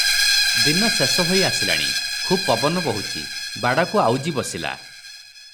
ଦିନ ଶେଷ ହୋଇ ଆସିଲାଣି, ଖୁବ୍ ପବନ ବହୁଛି, ବାଡ଼କୁ ଆଉଜି ବସିଲା ।